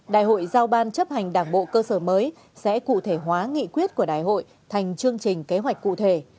đại hội giao ban chấp hành đảng bộ cơ sở mới sẽ cụ thể hóa nghị quyết của đại hội thành chương trình kế hoạch cụ thể